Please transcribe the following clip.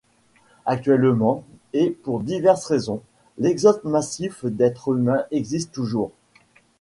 Actuellement, et pour diverses raisons, l’exode massif d’êtres humains existe toujours.